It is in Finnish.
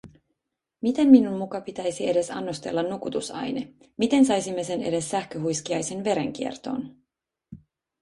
Miten minun muka pitäisi edes annostella nukutusaine… Miten saisimme sen edes sähköhuiskiaisen verenkiertoon?